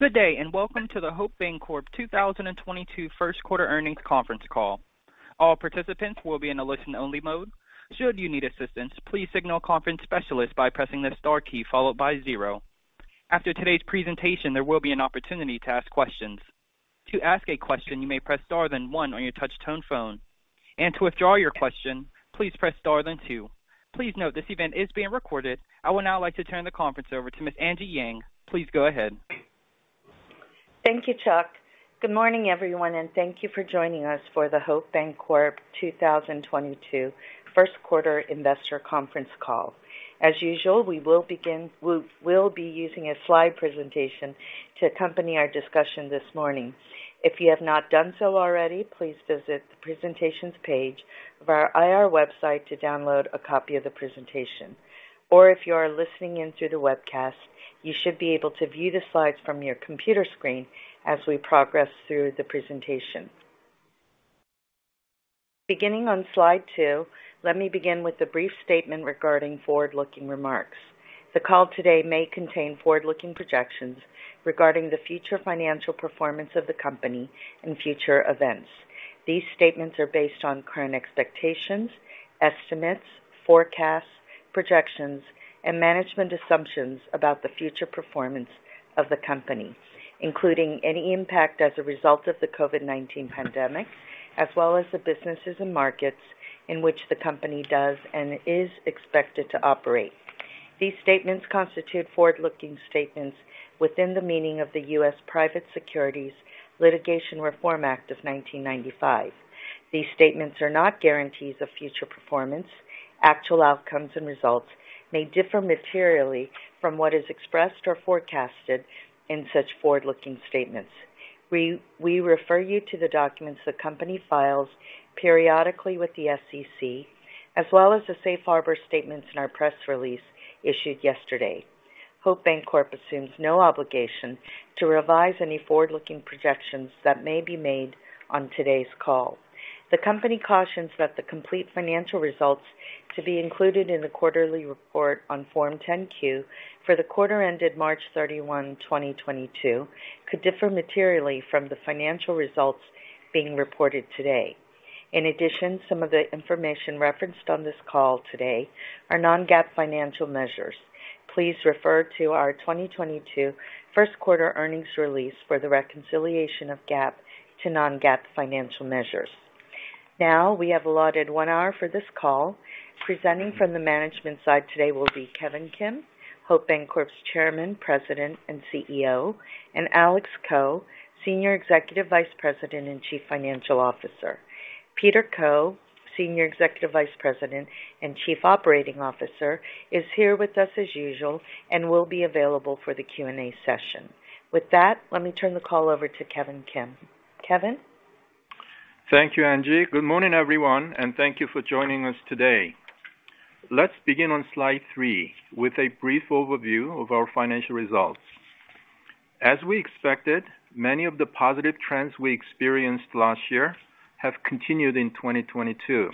Good day, and welcome to the Hope Bancorp 2022 First Quarter Earnings Conference Call. All participants will be in a listen-only mode. Should you need assistance, please signal a conference specialist by pressing the star key followed by zero. After today's presentation, there will be an opportunity to ask questions. To ask a question, you may press star then one on your touch-tone phone, and to withdraw your question, please press star then two. Please note this event is being recorded. I would now like to turn the conference over to Miss Angie Yang. Please go ahead. Thank you, Chuck. Good morning, everyone, and thank you for joining us for the Hope Bancorp 2022 First Quarter Investor Conference Call. As usual, we'll be using a slide presentation to accompany our discussion this morning. If you have not done so already, please visit the Presentations page of our IR website to download a copy of the presentation. Or if you are listening in through the webcast, you should be able to view the slides from your computer screen as we progress through the presentation. Beginning on Slide Two, let me begin with a brief statement regarding forward-looking remarks. The call today may contain forward-looking projections regarding the future financial performance of the company and future events. These statements are based on current expectations, estimates, forecasts, projections, and management assumptions about the future performance of the company, including any impact as a result of the COVID-19 pandemic, as well as the businesses and markets in which the company does and is expected to operate. These statements constitute forward-looking statements within the meaning of the U.S. Private Securities Litigation Reform Act of 1995. These statements are not guarantees of future performance. Actual outcomes and results may differ materially from what is expressed or forecasted in such forward-looking statements. We refer you to the documents the company files periodically with the SEC, as well as the Safe Harbor statements in our press release issued yesterday. Hope Bancorp assumes no obligation to revise any forward-looking projections that may be made on today's call. The company cautions that the complete financial results to be included in the quarterly report on Form 10-Q for the quarter ended March 31, 2022, could differ materially from the financial results being reported today. In addition, some of the information referenced on this call today are non-GAAP financial measures. Please refer to our 2022 first quarter earnings release for the reconciliation of GAAP to non-GAAP financial measures. Now, we have allotted one hour for this call. Presenting from the management side today will be Kevin Kim, Hope Bancorp's Chairman, President, and CEO, and Alex Ko, Senior Executive Vice President and Chief Financial Officer. Peter Koh, Senior Executive Vice President and Chief Operating Officer, is here with us as usual and will be available for the Q&A session. With that, let me turn the call over to Kevin Kim. Kevin? Thank you, Angie. Good morning, everyone, and thank you for joining us today. Let's begin on Slide Three with a brief overview of our financial results. As we expected, many of the positive trends we experienced last year have continued in 2022.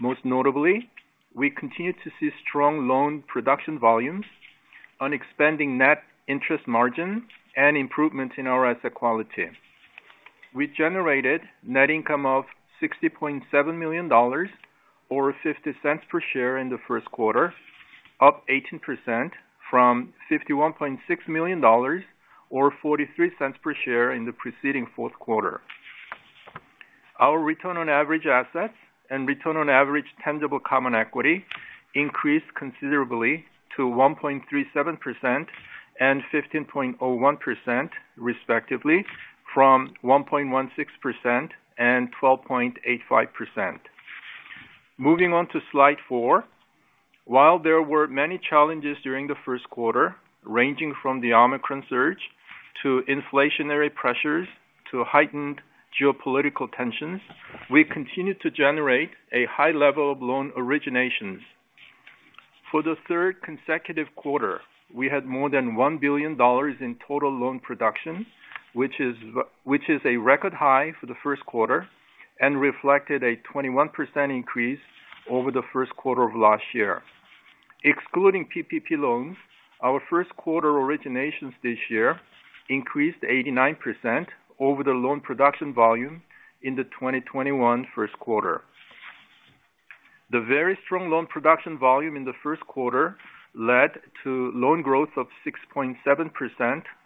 Most notably, we continue to see strong loan production volumes on expanding net interest margin and improvement in our asset quality. We generated net income of $60.7 million or $0.50 per share in the first quarter, up 18% from $51.6 million or $0.43 per share in the preceding fourth quarter. Our return on average assets and return on average tangible common equity increased considerably to 1.37% and 15.01% respectively from 1.16% and 12.85%. Moving on to Slide Four. While there were many challenges during the first quarter, ranging from the Omicron surge to inflationary pressures to heightened geopolitical tensions, we continued to generate a high level of loan originations. For the third consecutive quarter, we had more than $1 billion in total loan production, which is a record high for the first quarter and reflected a 21% increase over the first quarter of last year. Excluding PPP loans, our first quarter originations this year increased 89% over the loan production volume in the 2021 first quarter. The very strong loan production volume in the first quarter led to loan growth of 6.7%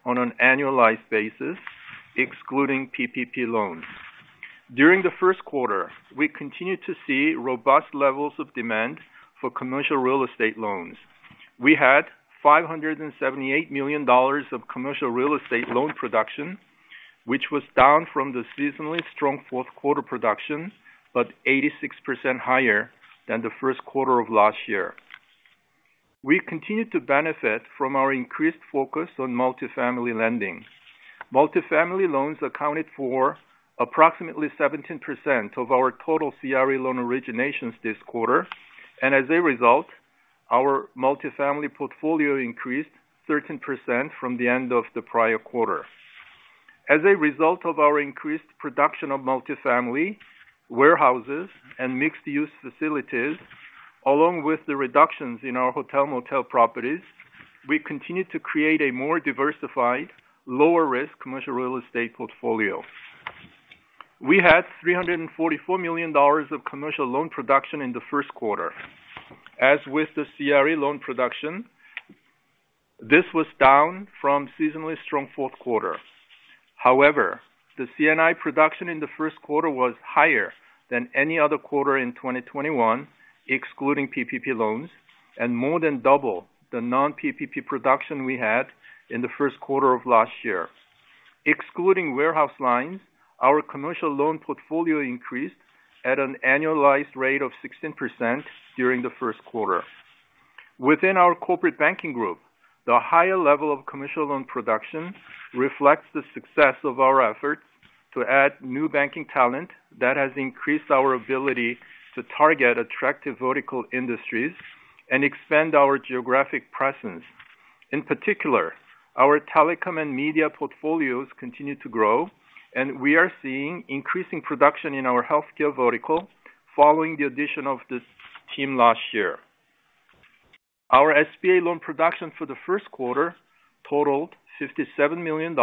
on an annualized basis, excluding PPP loans. During the first quarter, we continued to see robust levels of demand for commercial real estate loans. We had $578 million of commercial real estate loan production, which was down from the seasonally strong fourth quarter production, but 86% higher than the first quarter of last year. We continued to benefit from our increased focus on multifamily lending. Multifamily loans accounted for approximately 17% of our total CRE loan originations this quarter, and as a result, our multifamily portfolio increased 13% from the end of the prior quarter. As a result of our increased production of multifamily warehouses and mixed-use facilities, along with the reductions in our hotel-motel properties, we continue to create a more diversified, lower-risk commercial real estate portfolio. We had $344 million of commercial loan production in the first quarter. As with the CRE loan production, this was down from seasonally strong fourth quarter. However, the C&I production in the first quarter was higher than any other quarter in 2021, excluding PPP loans, and more than double the non-PPP production we had in the first quarter of last year. Excluding warehouse lines, our commercial loan portfolio increased at an annualized rate of 16% during the first quarter. Within our corporate banking group, the higher level of commercial loan production reflects the success of our efforts to add new banking talent that has increased our ability to target attractive vertical industries and expand our geographic presence. In particular, our telecom and media portfolios continue to grow, and we are seeing increasing production in our healthcare vertical following the addition of this team last year. Our SBA loan production for the first quarter totaled $57 million,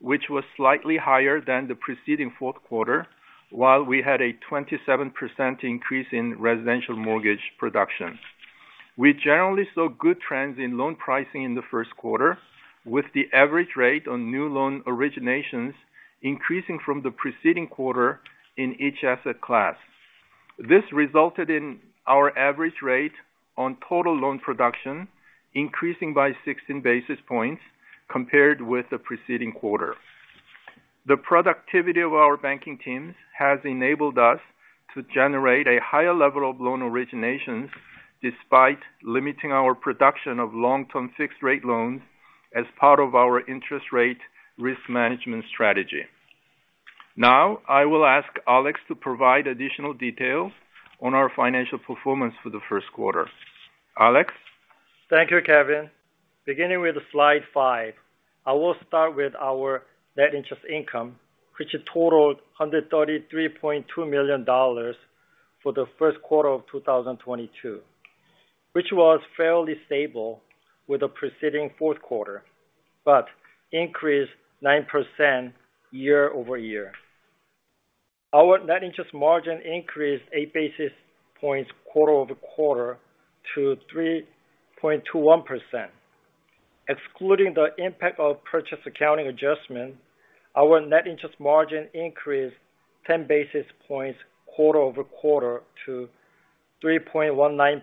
which was slightly higher than the preceding fourth quarter, while we had a 27% increase in residential mortgage production. We generally saw good trends in loan pricing in the first quarter, with the average rate on new loan originations increasing from the preceding quarter in each asset class. This resulted in our average rate on total loan production increasing by 16 basis points compared with the preceding quarter. The productivity of our banking teams has enabled us to generate a higher level of loan originations despite limiting our production of long-term fixed rate loans as part of our interest rate risk management strategy. Now, I will ask Alex Ko to provide additional details on our financial performance for the first quarter. Alex? Thank you, Kevin. Beginning with Slide Five, I will start with our net interest income, which totaled $133.2 million for the first quarter of 2022, which was fairly stable with the preceding fourth quarter, but increased 9% year-over-year. Our net interest margin increased 8 basis points quarter-over-quarter to 3.21%. Excluding the impact of purchase accounting adjustment, our net interest margin increased 10 basis points quarter-over-quarter to 3.19%.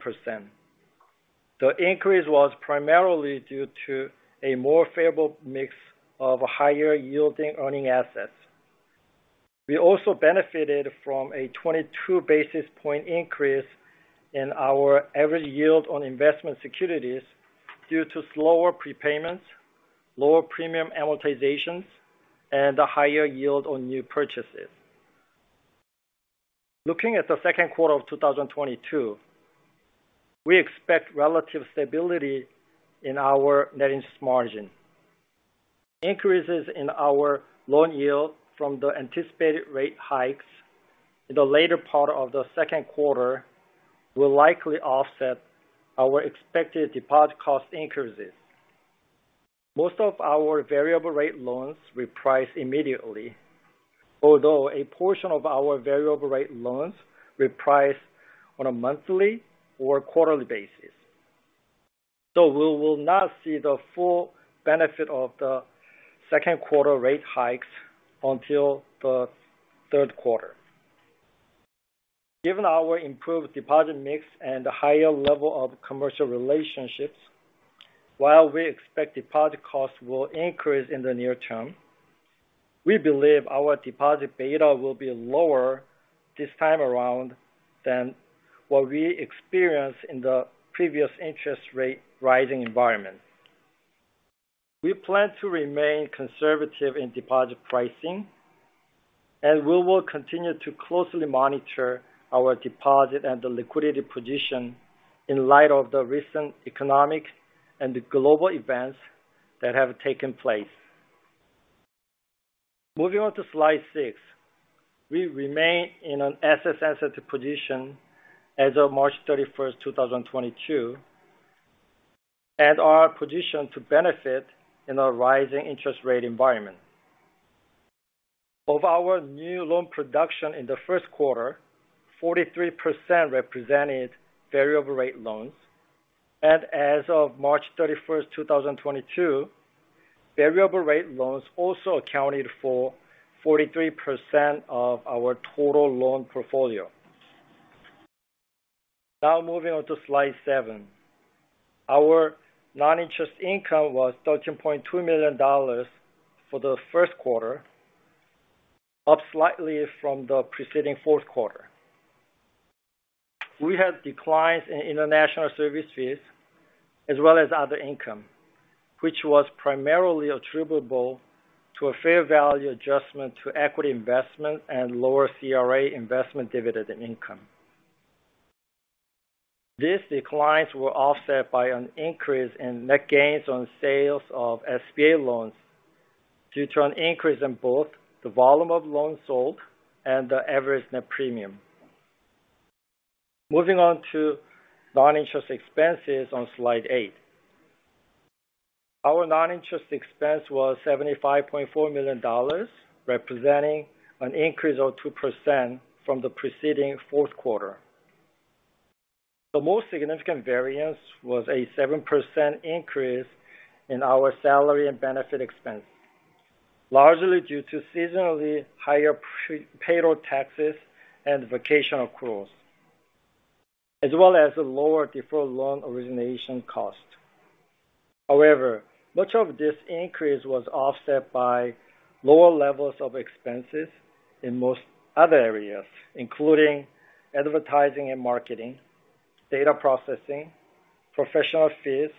The increase was primarily due to a more favorable mix of higher yielding earning assets. We also benefited from a 22 basis point increase in our average yield on investment securities due to slower prepayments, lower premium amortizations, and a higher yield on new purchases. Looking at the second quarter of 2022, we expect relative stability in our net interest margin. Increases in our loan yield from the anticipated rate hikes in the later part of the second quarter will likely offset our expected deposit cost increases. Most of our variable rate loans reprice immediately, although a portion of our variable rate loans reprice on a monthly or quarterly basis. We will not see the full benefit of the second quarter rate hikes until the third quarter. Given our improved deposit mix and higher level of commercial relationships, while we expect deposit costs will increase in the near term, we believe our deposit beta will be lower this time around than what we experienced in the previous interest rate rising environment. We plan to remain conservative in deposit pricing, and we will continue to closely monitor our deposit and the liquidity position in light of the recent economic and global events that have taken place. Moving on to Slide Six. We remain in an asset-sensitive position as of March 31, 2022, and are positioned to benefit in a rising interest rate environment. Of our new loan production in the first quarter, 43% represented variable rate loans, and as of March 31, 2022, variable rate loans also accounted for 43% of our total loan portfolio. Now moving on to Slide Seven. Our non-interest income was $13.2 million for the first quarter, up slightly from the preceding fourth quarter. We had declines in international service fees as well as other income, which was primarily attributable to a fair value adjustment to equity investment and lower CRA investment dividend income. These declines were offset by an increase in net gains on sales of SBA loans due to an increase in both the volume of loans sold and the average net premium. Moving on to non-interest expenses on Slide Eight. Our non-interest expense was $75.4 million, representing an increase of 2% from the preceding fourth quarter. The most significant variance was a 7% increase in our salary and benefit expense, largely due to seasonally higher payroll taxes and vacation accruals, as well as a lower deferred loan origination cost. However, much of this increase was offset by lower levels of expenses in most other areas, including advertising and marketing, data processing, professional fees,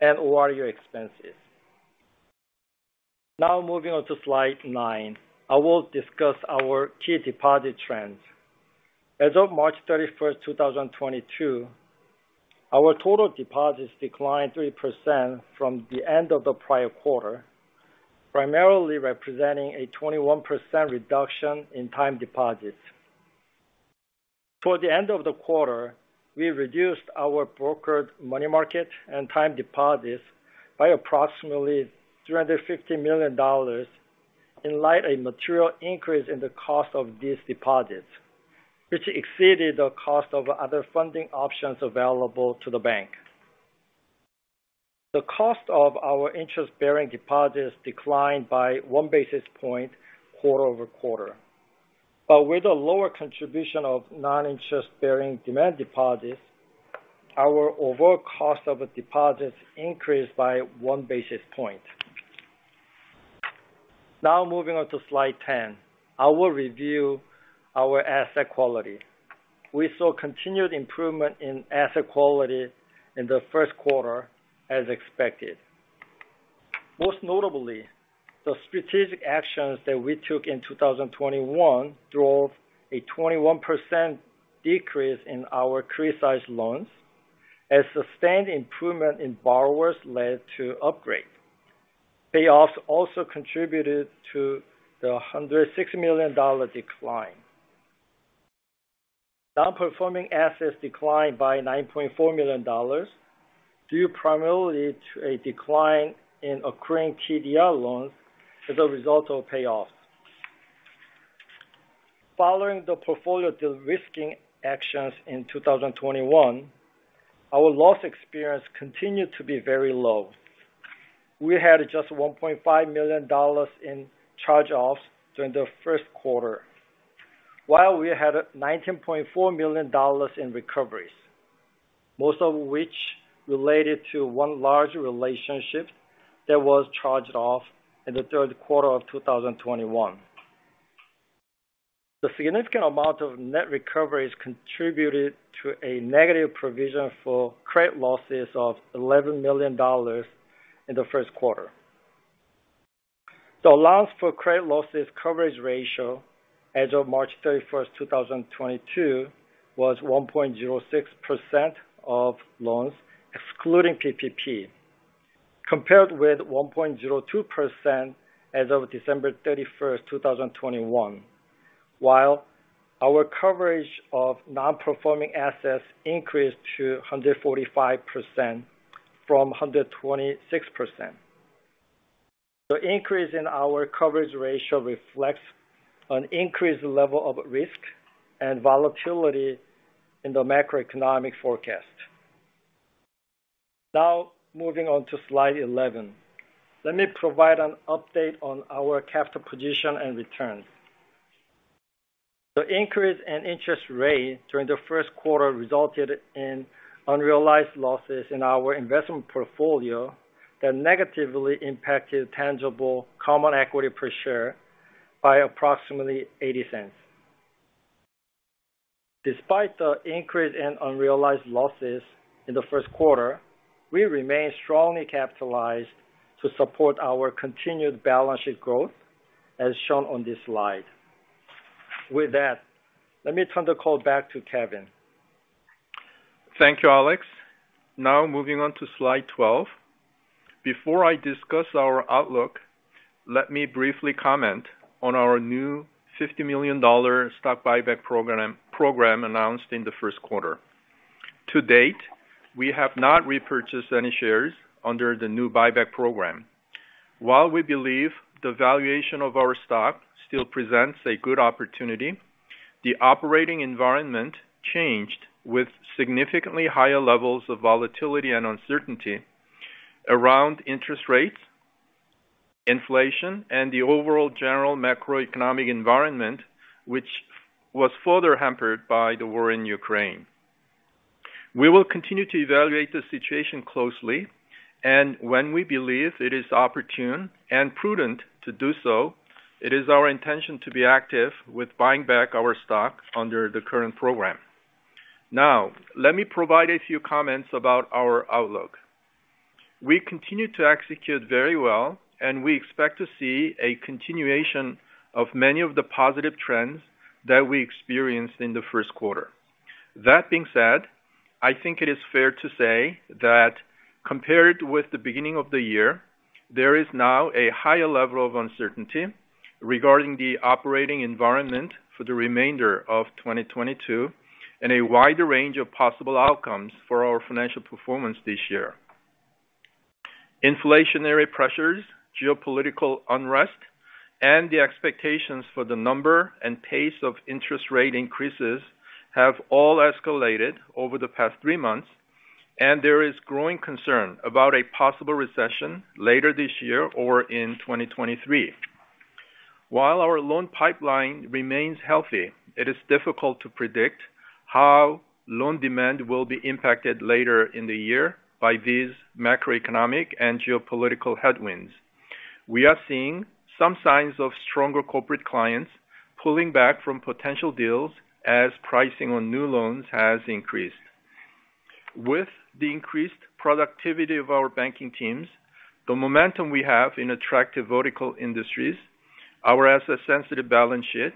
and ORE expenses. Now moving on to Slide Nine, I will discuss our key deposit trends. As of March 31, 2022, our total deposits declined 3% from the end of the prior quarter, primarily representing a 21% reduction in time deposits. Toward the end of the quarter, we reduced our brokered money market and time deposits by approximately $350 million in light of a material increase in the cost of these deposits, which exceeded the cost of other funding options available to the bank. The cost of our interest-bearing deposits declined by 1 basis point quarter-over-quarter. With a lower contribution of non-interest-bearing demand deposits, our overall cost of deposits increased by 1 basis point. Now moving on to Slide 10, I will review our asset quality. We saw continued improvement in asset quality in the first quarter as expected. Most notably, the strategic actions that we took in 2021 drove a 21% decrease in our criticized loans as sustained improvement in borrowers led to upgrade. Payoffs also contributed to the $106 million decline. Non-performing assets declined by $9.4 million due primarily to a decline in accruing TDR loans as a result of payoffs. Following the portfolio de-risking actions in 2021, our loss experience continued to be very low. We had just $1.5 million in charge-offs during the first quarter, while we had $19.4 million in recoveries, most of which related to one large relationship that was charged off in the third quarter of 2021. The significant amount of net recoveries contributed to a negative provision for credit losses of $11 million in the first quarter. The allowance for credit losses coverage ratio as of March 31, 2022, was 1.06% of loans excluding PPP, compared with 1.02% as of December 31, 2021, while our coverage of non-performing assets increased to 145% from 126%. The increase in our coverage ratio reflects an increased level of risk and volatility in the macroeconomic forecast. Now moving on to Slide 11, let me provide an update on our capital position and returns. The increase in interest rate during the first quarter resulted in unrealized losses in our investment portfolio that negatively impacted tangible common equity per share by approximately $0.80. Despite the increase in unrealized losses in the first quarter, we remain strongly capitalized to support our continued balance sheet growth, as shown on this slide. With that, let me turn the call back to Kevin. Thank you, Alex. Now moving on to Slide 12. Before I discuss our outlook, let me briefly comment on our new $50 million stock buyback program announced in the first quarter. To date, we have not repurchased any shares under the new buyback program. While we believe the valuation of our stock still presents a good opportunity, the operating environment changed with significantly higher levels of volatility and uncertainty around interest rates, inflation, and the overall general macroeconomic environment, which was further hampered by the war in Ukraine. We will continue to evaluate the situation closely, and when we believe it is opportune and prudent to do so, it is our intention to be active with buying back our stock under the current program. Now, let me provide a few comments about our outlook. We continue to execute very well, and we expect to see a continuation of many of the positive trends that we experienced in the first quarter. That being said, I think it is fair to say that compared with the beginning of the year, there is now a higher level of uncertainty regarding the operating environment for the remainder of 2022 and a wider range of possible outcomes for our financial performance this year. Inflationary pressures, geopolitical unrest, and the expectations for the number and pace of interest rate increases have all escalated over the past three months, and there is growing concern about a possible recession later this year or in 2023. While our loan pipeline remains healthy, it is difficult to predict how loan demand will be impacted later in the year by these macroeconomic and geopolitical headwinds. We are seeing some signs of stronger corporate clients pulling back from potential deals as pricing on new loans has increased. With the increased productivity of our banking teams, the momentum we have in attractive vertical industries, our asset sensitive balance sheet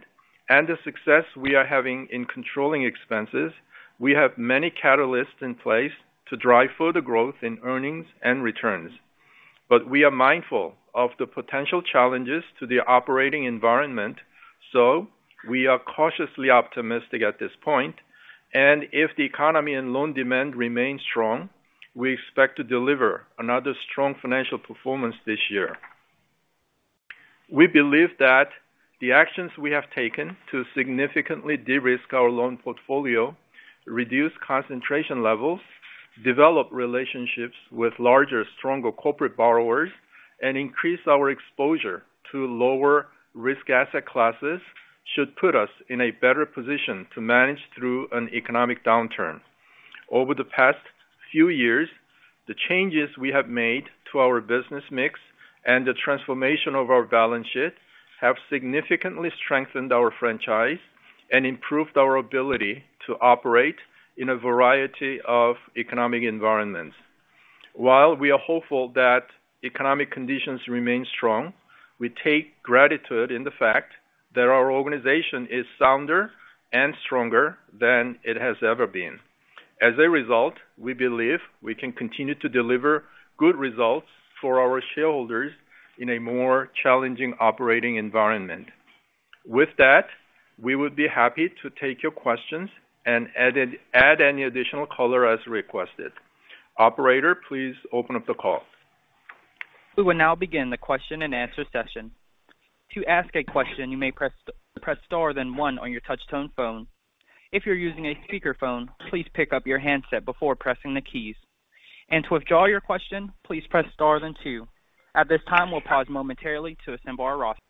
and the success we are having in controlling expenses, we have many catalysts in place to drive further growth in earnings and returns. We are mindful of the potential challenges to the operating environment. We are cautiously optimistic at this point. If the economy and loan demand remain strong, we expect to deliver another strong financial performance this year. We believe that the actions we have taken to significantly de-risk our loan portfolio, reduce concentration levels, develop relationships with larger, stronger corporate borrowers, and increase our exposure to lower risk asset classes should put us in a better position to manage through an economic downturn. Over the past few years, the changes we have made to our business mix and the transformation of our balance sheet have significantly strengthened our franchise and improved our ability to operate in a variety of economic environments. While we are hopeful that economic conditions remain strong, we take gratitude in the fact that our organization is sounder and stronger than it has ever been. As a result, we believe we can continue to deliver good results for our shareholders in a more challenging operating environment. With that, we would be happy to take your questions and add any additional color as requested. Operator, please open up the call. We will now begin the question and answer session. To ask a question, you may press star then one on your touch tone phone. If you're using a speaker phone, please pick up your handset before pressing the keys. To withdraw your question, please press star then two. At this time, we'll pause momentarily to assemble our roster.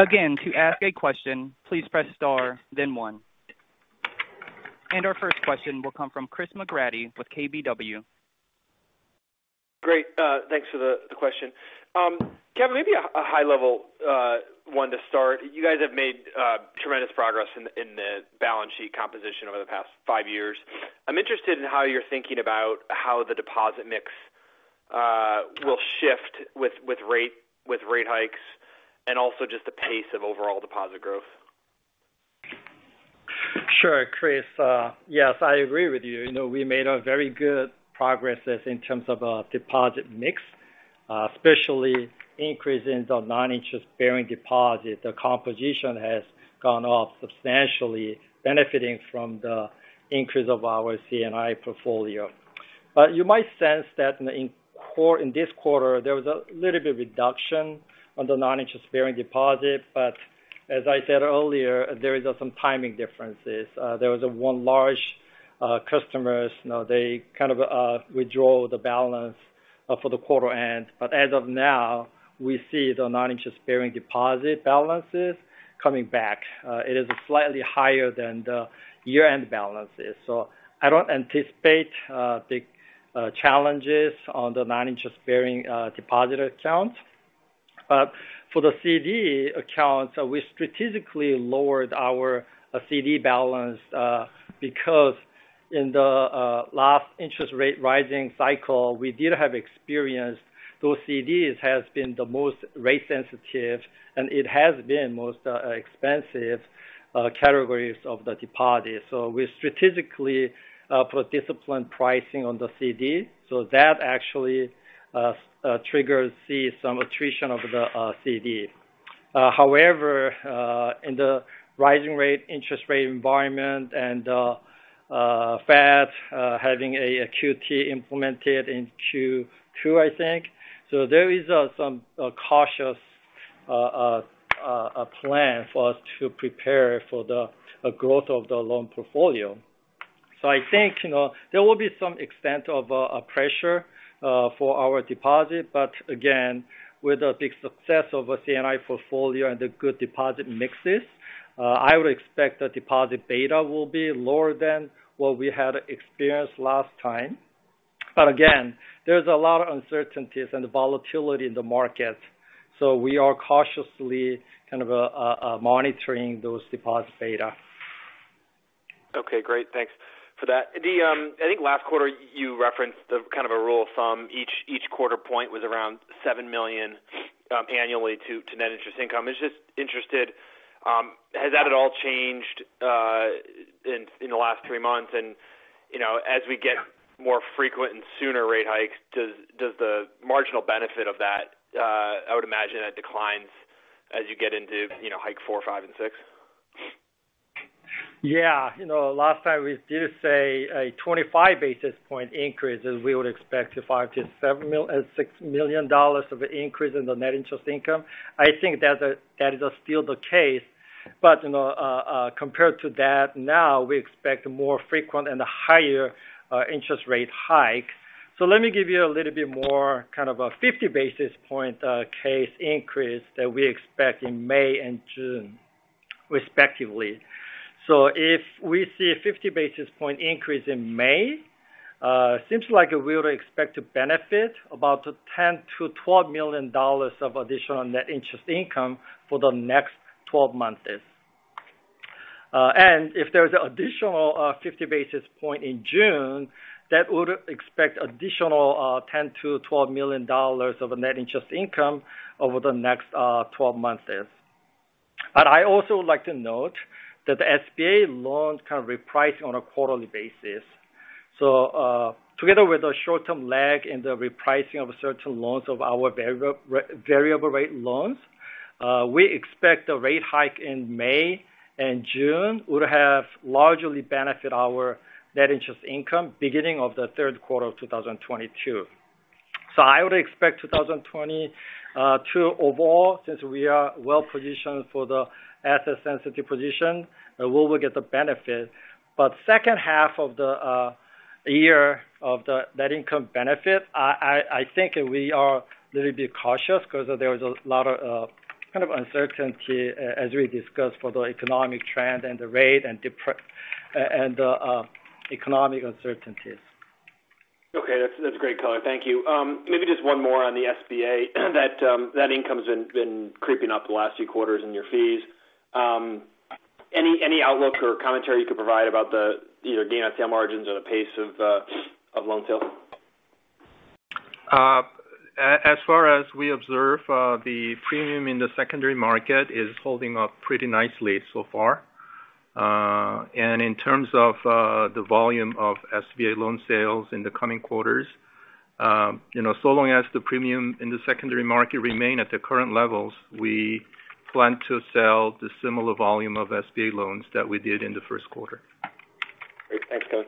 Again, to ask a question, please press star then one. Our first question will come from Chris McGratty with KBW. Great, thanks for the question. Kevin, maybe a high level one to start. You guys have made tremendous progress in the balance sheet composition over the past five years. I'm interested in how you're thinking about how the deposit mix will shift with rate hikes and also just the pace of overall deposit growth. Sure, Chris. Yes, I agree with you. You know, we made a very good progress in terms of deposit mix, especially increase in the non-interest bearing deposit. The composition has gone up substantially benefiting from the increase of our C&I portfolio. You might sense that in this quarter, there was a little bit reduction on the non-interest bearing deposit. As I said earlier, there is some timing differences. There was one large customer, you know, they kind of withdraw the balance for the quarter end. As of now, we see the non-interest bearing deposit balances coming back. It is slightly higher than the year-end balances, so I don't anticipate big challenges on the non-interest bearing deposit account. For the CD accounts, we strategically lowered our CD balance because in the last interest rate rising cycle, we did have experience. Those CDs has been the most rate sensitive, and it has been the most expensive categories of the deposit. We strategically put disciplined pricing on the CD. That actually triggers. We see some attrition of the CD. However, in the rising interest rate environment and Fed having a QT implemented in Q2, I think. There is some cautious A plan for us to prepare for the growth of the loan portfolio. I think, you know, there will be some extent of a pressure for our deposit. But again, with the big success of our C&I portfolio and the good deposit mixes, I would expect the deposit beta will be lower than what we had experienced last time. But again, there's a lot of uncertainties and volatility in the market, so we are cautiously kind of monitoring those deposit beta. Okay, great. Thanks for that. I think last quarter you referenced kind of a rule of thumb, each quarter point was around $7 million annually to net interest income. It's just interesting. Has that at all changed in the last three months? You know, as we get more frequent and sooner rate hikes, does the marginal benefit of that I would imagine that declines as you get into you know, hike four, five and six. Yeah. You know, last time we did say a 25 basis point increase, we would expect a $5 million-$7 million increase in the net interest income. I think that's, that is still the case. You know, compared to that now, we expect more frequent and higher interest rate hike. Let me give you a little bit more kind of a 50 basis point case increase that we expect in May and June respectively. If we see a 50 basis point increase in May, seems like we would expect to benefit about $10 million-$12 million of additional net interest income for the next 12 months. If there's additional 50 basis points in June, that would expect additional $10 million-$12 million of net interest income over the next 12 months. I also would like to note that the SBA loans kind of reprice on a quarterly basis. Together with a short-term lag in the repricing of certain loans of our variable rate loans, we expect the rate hike in May and June would have largely benefit our net interest income beginning of the third quarter of 2022. I would expect 2022 overall, since we are well positioned for the asset-sensitive position, and we will get the benefit. Second half of the year of the net income benefit, I think we are a little bit cautious 'cause there is a lot of kind of uncertainty as we discussed for the economic trend and the rate and economic uncertainties. Okay. That's great color. Thank you. Maybe just one more on the SBA that income has been creeping up the last few quarters in your fees. Any outlook or commentary you could provide about the either gain on sale margins or the pace of loan sales? As far as we observe, the premium in the secondary market is holding up pretty nicely so far. In terms of the volume of SBA loan sales in the coming quarters, you know, so long as the premium in the secondary market remain at the current levels, we plan to sell the similar volume of SBA loans that we did in the first quarter. Great. Thanks, Kevin.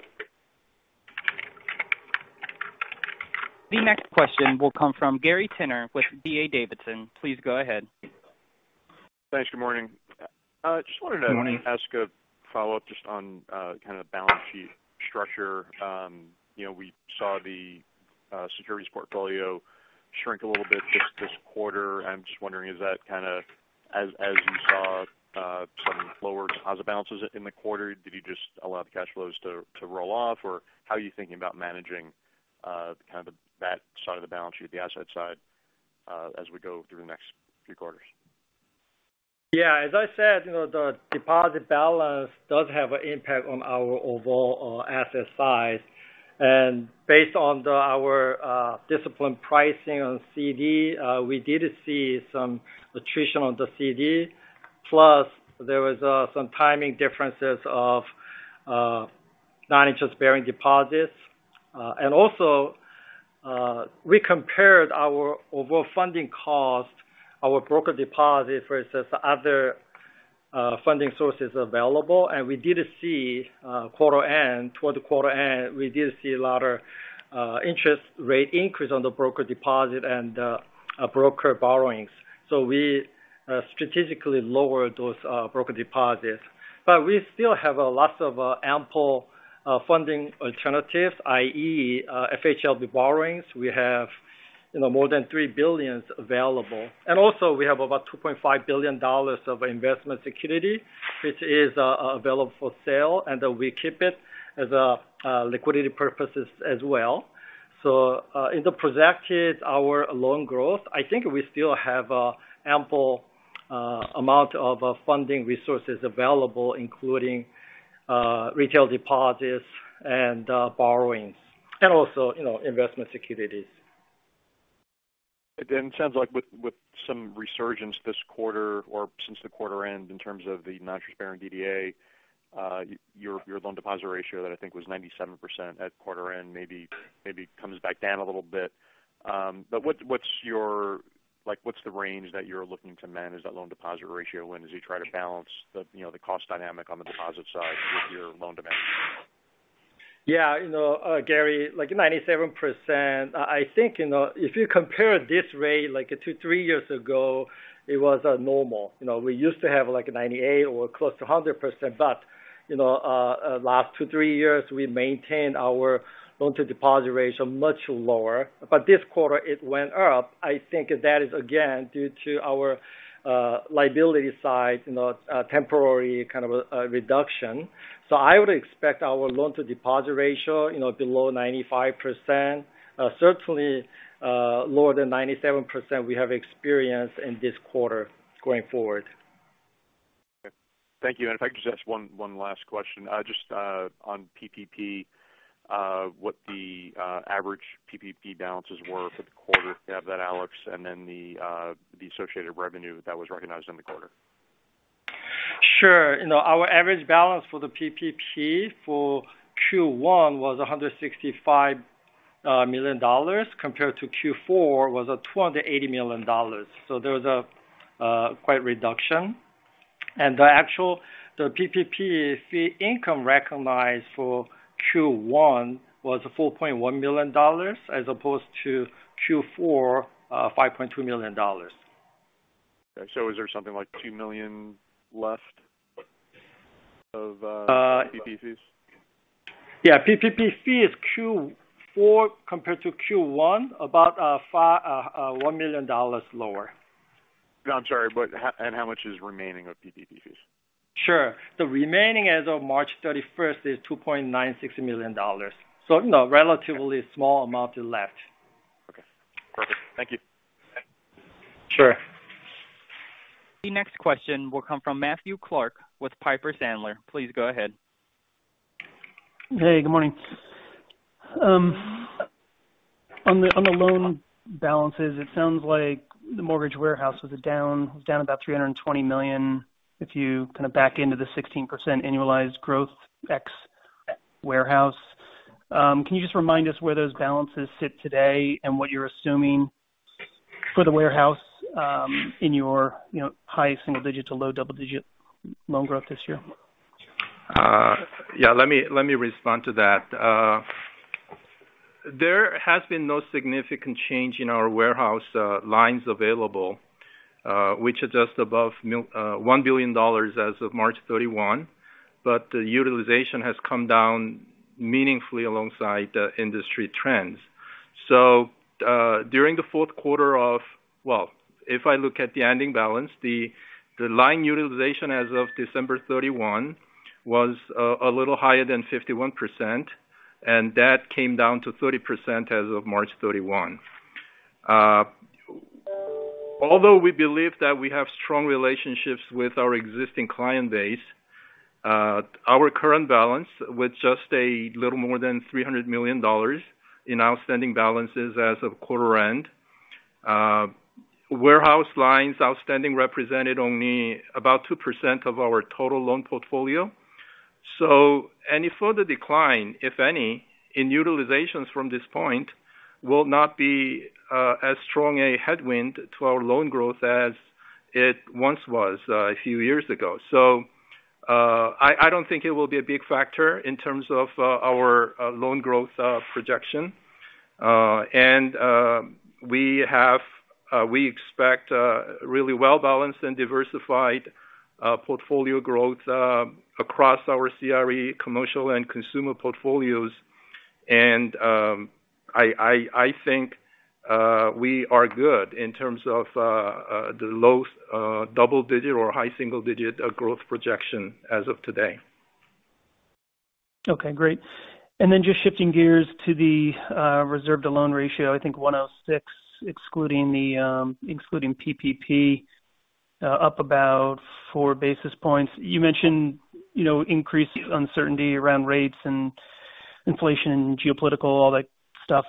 The next question will come from Gary Tenner with D.A. Davidson. Please go ahead. Thanks. Good morning. Just wanted to. Good morning. Ask a follow-up just on kind of balance sheet structure. You know, we saw the securities portfolio shrink a little bit this quarter. I'm just wondering, is that kinda as you saw some lower deposit balances in the quarter, did you just allow the cash flows to roll off? Or how are you thinking about managing kind of that side of the balance sheet, the asset side, as we go through the next few quarters? Yeah. As I said, you know, the deposit balance does have an impact on our overall asset size. Based on our disciplined pricing on CD, we did see some attrition on the CD. There was some timing differences of non-interest-bearing deposits. We also compared our overall funding cost, our brokered deposits versus other funding sources available, and we did see toward the quarter end a lot of interest rate increase on the brokered deposits and broker borrowings. We strategically lowered those brokered deposits. We still have a lot of ample funding alternatives, i.e., FHLB borrowings. We have, you know, more than $3 billion available. also we have about $2.5 billion of investment security, which is available for sale, and we keep it as liquidity purposes as well. In projecting our loan growth, I think we still have an ample amount of funding resources available, including retail deposits and borrowings and also, you know, investment securities. It then sounds like with some resurgence this quarter or since the quarter end in terms of the non-interest-bearing DDA, your loan deposit ratio that I think was 97% at quarter end maybe comes back down a little bit. What's your like, what's the range that you're looking to manage that loan deposit ratio when, as you try to balance the, you know, the cost dynamic on the deposit side with your loan demand? Yeah. You know, Gary, like 97%, I think, you know, if you compare this rate like two to three years ago, it was normal. You know, we used to have like 98% or close to 100% but, you know, last two to three years, we maintained our loan to deposit ratio much lower. This quarter it went up. I think that is again due to our liability side, you know, temporary kind of reduction. I would expect our loan to deposit ratio, you know, below 95%, certainly lower than 97% we have experienced in this quarter going forward. Okay. Thank you. If I could just ask one last question, just on PPP, what the average PPP balances were for the quarter if we have that, Alex, and then the associated revenue that was recognized in the quarter. Sure. You know, our average balance for the PPP for Q1 was $165 million compared to Q4 was $280 million. There was quite a reduction. The actual PPP fee income recognized for Q1 was $4.1 million as opposed to Q4 $5.2 million. Okay. Is there something like $2 million left of PPP fees? Yeah. PPP fee is Q4 compared to Q1 about $1 million lower. No, I'm sorry, but how much is remaining of PPP fees? Sure. The remaining as of March 31 is $2.96 million. You know, relatively small amount left. Okay. Perfect. Thank you. Sure. The next question will come from Matthew Clark with Piper Sandler. Please go ahead. Hey, good morning. On the loan balances, it sounds like the mortgage warehouse was down about $320 million if you kind of back into the 16% annualized growth ex-warehouse. Can you just remind us where those balances sit today and what you're assuming for the warehouse, in your, you know, high single digit to low double digit loan growth this year? Yeah, let me respond to that. There has been no significant change in our warehouse lines available, which is just above $1 billion as of March 31, but the utilization has come down meaningfully alongside the industry trends. During the fourth quarter, well, if I look at the ending balance, the line utilization as of December 31 was a little higher than 51%, and that came down to 30% as of March 31. Although we believe that we have strong relationships with our existing client base, our current balance with just a little more than $300 million in outstanding balances as of quarter end, warehouse lines outstanding represented only about 2% of our total loan portfolio. Any further decline, if any, in utilizations from this point will not be as strong a headwind to our loan growth as it once was a few years ago. I don't think it will be a big factor in terms of our loan growth projection. We expect really well balanced and diversified portfolio growth across our CRE commercial and consumer portfolios. I think we are good in terms of the low double-digit or high single-digit growth projection as of today. Okay, great. Then just shifting gears to the reserve-to-loan ratio, I think 106, excluding PPP, up about 4 basis points. You mentioned, you know, increased uncertainty around rates and inflation, geopolitical, all that stuff.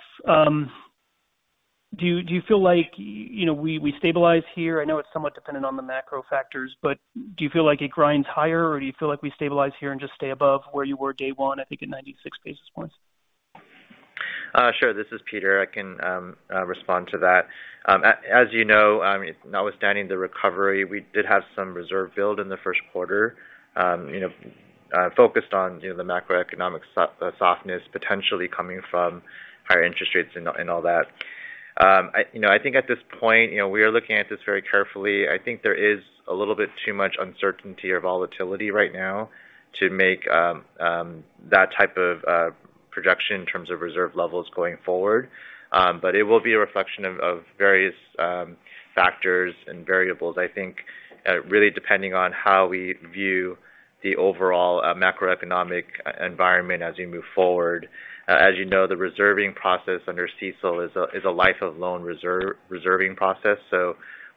Do you feel like, you know, we stabilize here? I know it's somewhat dependent on the macro factors, but do you feel like it grinds higher, or do you feel like we stabilize here and just stay above where you were day one, I think at 96 basis points? Sure. This is Peter. I can respond to that. As you know, notwithstanding the recovery, we did have some reserve build in the first quarter, you know, focused on, you know, the macroeconomic softness potentially coming from higher interest rates and all that. I think at this point, you know, we are looking at this very carefully. I think there is a little bit too much uncertainty or volatility right now to make that type of projection in terms of reserve levels going forward. But it will be a reflection of various factors and variables, I think, really depending on how we view the overall macroeconomic environment as we move forward. As you know, the reserving process under CECL is a life of loan reserving process.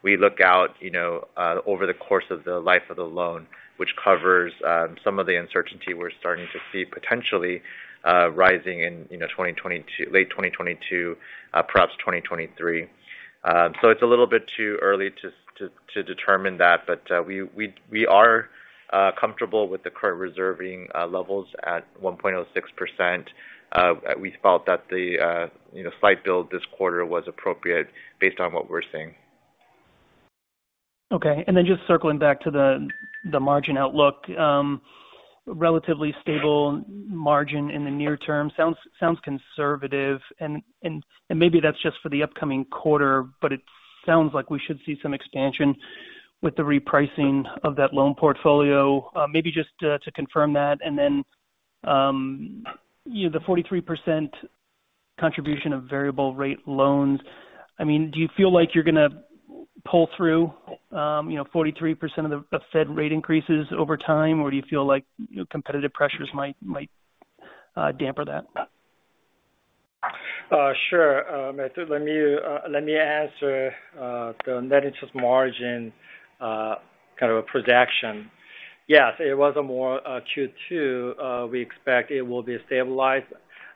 We look out, you know, over the course of the life of the loan, which covers some of the uncertainty we're starting to see potentially rising in, you know, 2022, late 2022, perhaps 2023. It's a little bit too early to determine that. We are comfortable with the current reserving levels at 1.06%. We felt that the you know, slight build this quarter was appropriate based on what we're seeing. Okay. Just circling back to the margin outlook, relatively stable margin in the near term sounds conservative and maybe that's just for the upcoming quarter, but it sounds like we should see some expansion with the repricing of that loan portfolio. Maybe just to confirm that. You know, the 43% contribution of variable rate loans, I mean, do you feel like you're gonna pull through, you know, 43% of the Fed rate increases over time? Or do you feel like competitive pressures might dampen that? Sure. Let me answer the net interest margin kind of a projection. Yes, it was more Q2. We expect it will be stabilized.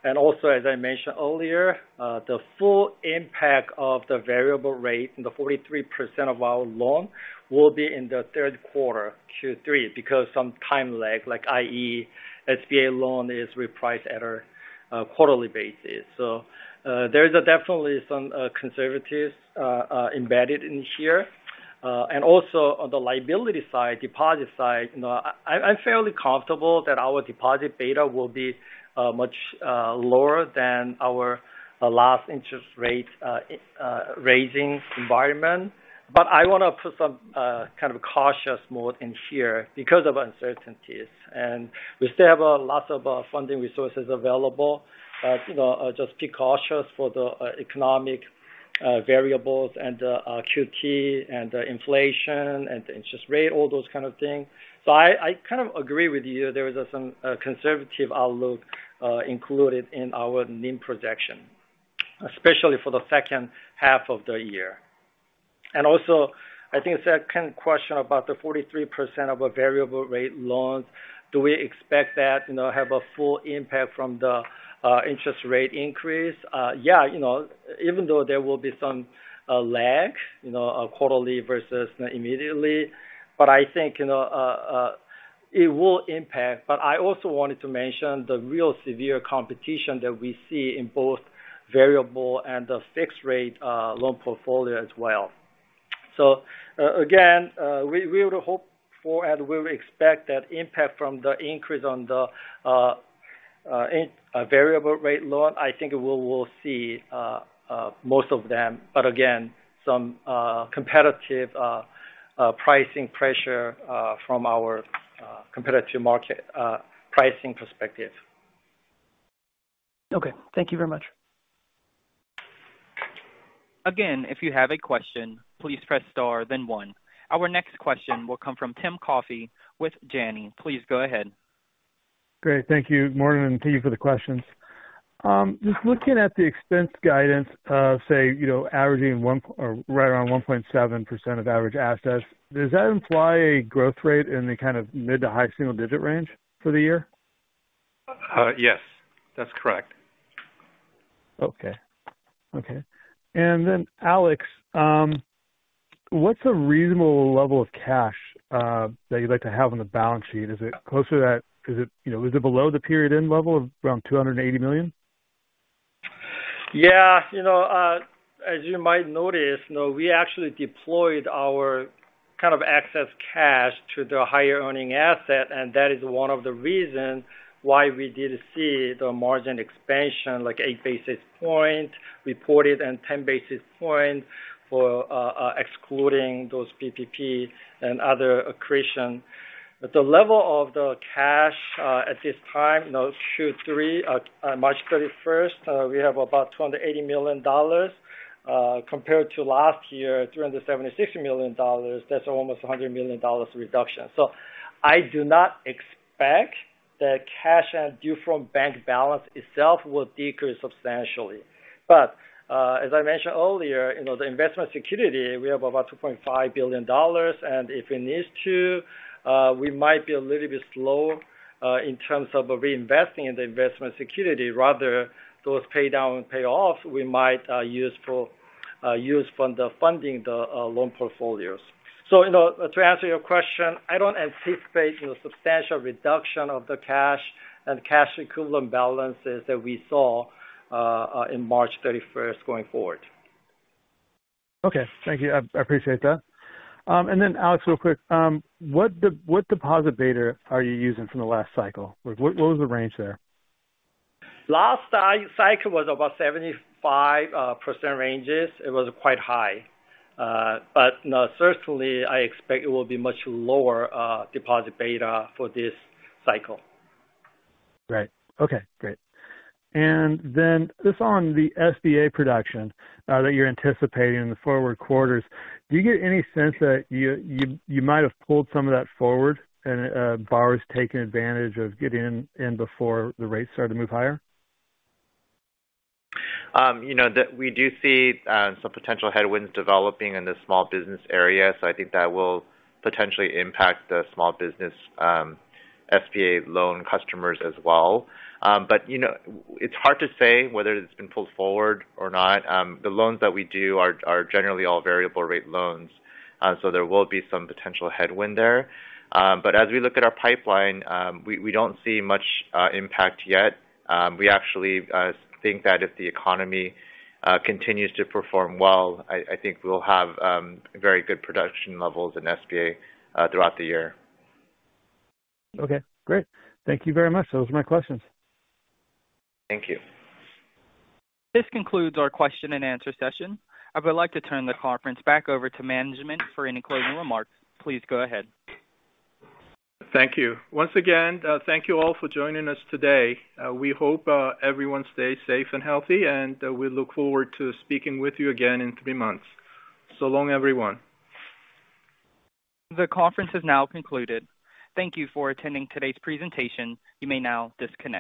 Also, as I mentioned earlier, the full impact of the variable rate in the 43% of our loan will be in the third quarter, Q3, because some time lag, like i.e. SBA loan is repriced on a quarterly basis. There is definitely some conservatism embedded in here. Also on the liability side, deposit side, you know, I'm fairly comfortable that our deposit beta will be much lower than our last interest rate-raising environment. I wanna put some kind of cautious mode in here because of uncertainties. We still have a lot of funding resources available. You know, just be cautious for the economic variables and QT and inflation and interest rate, all those kind of things. I kind of agree with you. There is some conservative outlook included in our NIM projection, especially for the second half of the year. I think it's that kind of question about the 43% of variable rate loans. Do we expect that, you know, have a full impact from the interest rate increase? Yeah, you know, even though there will be some lag, you know, quarterly versus immediately, but I think, you know, it will impact. But I also wanted to mention the really severe competition that we see in both variable and the fixed rate loan portfolio as well. Again, we would hope for and we expect that impact from the increase in variable rate loans. I think we will see most of them. Again, some competitive pricing pressure from our competitive market pricing perspective. Okay, thank you very much. Again, if you have a question, please press star then one. Our next question will come from Tim Coffey with Janney. Please go ahead. Great. Thank you. Morning to you for the questions. Just looking at the expense guidance of say, you know, averaging 1% or right around 1.7% of average assets, does that imply a growth rate in the kind of mid- to high-single-digit range for the year? Yes, that's correct. Alex, what's a reasonable level of cash that you'd like to have on the balance sheet? Is it closer to that? Is it, you know, is it below the period end level of around $280 million? Yeah, you know, as you might notice, you know, we actually deployed our kind of excess cash to the higher earning asset, and that is one of the reasons why we did see the margin expansion like 8 basis points reported and 10 basis points for, excluding those PPP and other accretion. The level of the cash, at this time, you know, Q3 on March 31, we have about $280 million, compared to last year, $376 million. That's almost a $100 million reduction. I do not expect that cash and due from bank balance itself will decrease substantially. As I mentioned earlier, you know, the investment security, we have about $2.5 billion, and if we need to, we might be a little bit slow in terms of reinvesting in the investment security rather those pay down payoffs we might use for funding the loan portfolios. You know, to answer your question, I don't anticipate substantial reduction of the cash and cash equivalent balances that we saw in March 31 going forward. Okay. Thank you. I appreciate that. Alex, real quick, what deposit beta are you using from the last cycle? Like, what was the range there? Last cycle was about 75% range. It was quite high. No, certainly, I expect it will be much lower, deposit beta for this cycle. Right. Okay, great. Then just on the SBA production that you're anticipating in the forward quarters, do you get any sense that you might have pulled some of that forward and borrowers taking advantage of getting in before the rates start to move higher? You know that we do see some potential headwinds developing in the small business area, so I think that will potentially impact the small business SBA loan customers as well. You know, it's hard to say whether it's been pulled forward or not. The loans that we do are generally all variable rate loans, so there will be some potential headwind there. As we look at our pipeline, we don't see much impact yet. We actually think that if the economy continues to perform well, I think we'll have very good production levels in SBA throughout the year. Okay, great. Thank you very much. Those are my questions. Thank you. This concludes our question and answer session. I would like to turn the conference back over to management for any closing remarks. Please go ahead. Thank you. Once again, thank you all for joining us today. We hope everyone stays safe and healthy, and we look forward to speaking with you again in three months. So long, everyone. The conference has now concluded. Thank you for attending today's presentation. You may now disconnect.